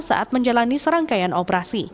saat menjalani serangkaian operasi